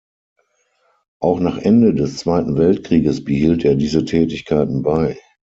Auch nach Ende des Zweiten Weltkrieges behielt er diese Tätigkeiten bei.